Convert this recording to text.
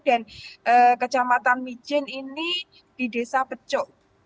dan kecamatan mijin ini di desa peco